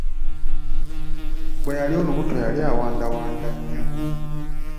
Bwe yali olubuto yali awandawanda nnyo.